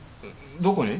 どこに？